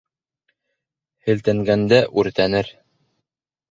Һелтәнгәндә үртәнер.